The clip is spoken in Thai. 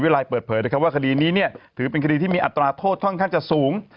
ลัยเปิดเผยนะครับว่าคดีนี้เนี่ยถือเป็นคดีที่มีอัตราโทษค่อนข้างจะสูง